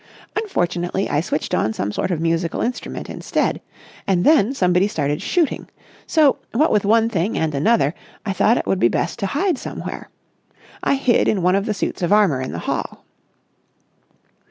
Unfortunately I switched on some sort of musical instrument instead. And then somebody started shooting. So, what with one thing and another, I thought it would be best to hide somewhere. I hid in one of the suits of armour in the hall."